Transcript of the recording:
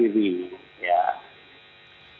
hal yang seperti ini